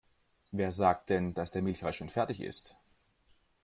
Wer sagt denn, dass der Milchreis schon fertig ist?